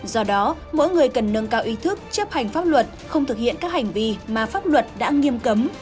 do đó mỗi người cần nâng cao ý thức chấp hành pháp luật không thực hiện các hành vi mà pháp luật đã nghiêm cấm